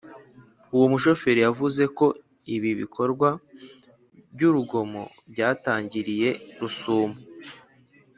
Uwo mushoferi yavuze ko ibi bikorwa by’urugomo byatangiriye Rusumo